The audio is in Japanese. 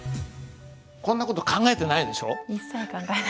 こんな事考えてないでしょ？